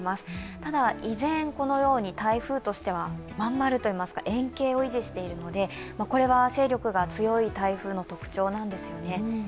ただ、以前、このように台風としてはまん丸といいますか円形を維持しているので、これは勢力が強い台風の特徴なんですよね。